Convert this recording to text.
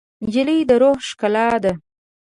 نجلۍ د روح ښکلا ده.